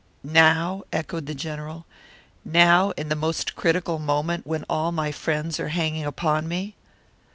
"Now?" echoed the General. "Now, in the most critical moment, when all my friends are hanging upon me?